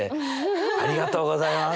ありがとうございます！